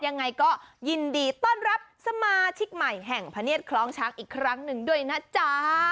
ยังไงก็ยินดีต้อนรับสมาชิกใหม่แห่งพะเนียดคล้องช้างอีกครั้งหนึ่งด้วยนะจ๊ะ